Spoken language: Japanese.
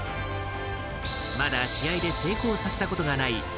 まだ試合で成功させたことがない